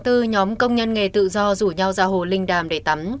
nhóm công nhân nghề tự do rủ nhau ra hồ linh đàm để tắm